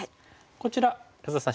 こちら安田さん